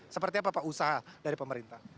seperti apa pak usaha dari pemerintah